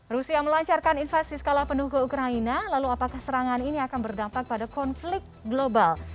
rusia melancarkan invasi skala penuh ke ukraina lalu apakah serangan ini akan berdampak pada konflik global